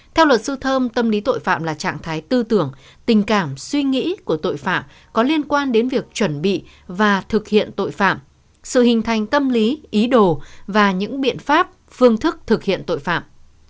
theo luật sư thơm tâm lý tội phạm là trạng thái tư tưởng tình cảm suy nghĩ của tội phạm có liên quan đến việc chuẩn bị và thực hiện tội phạm sự hình thành tâm lý ý đồ và những biện pháp phương thức thực hiện tội phạm